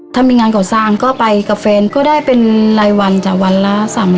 ถ้ามีงานก่อสร้างก็ไปกับแฟนก็ได้เป็นรายวันจ้ะวันละ๓๐๐